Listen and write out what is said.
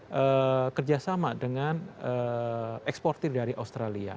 jadi kerjasama dengan eksportir dari australia